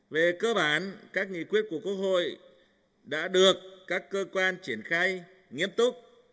về cơ bản các nghị quyết của quốc hội đã được các cơ quan triển khai nghiêm túc